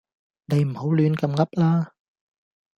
你唔好亂咁噏啦